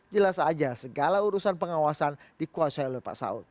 jelas saja segala urusan pengawasan dikuasai oleh pak saud